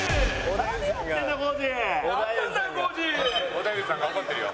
織田裕二さんが怒ってるよ。